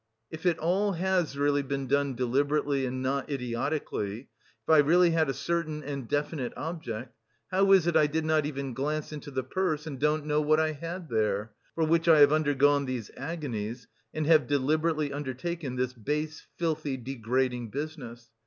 "If it all has really been done deliberately and not idiotically, if I really had a certain and definite object, how is it I did not even glance into the purse and don't know what I had there, for which I have undergone these agonies, and have deliberately undertaken this base, filthy degrading business?